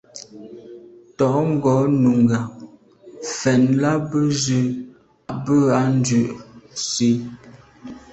Tɔ̌ ngɔ́ nùngà mfɛ̀n lá bə́ zə̄ à’ bə́ á dʉ̀’ nsí.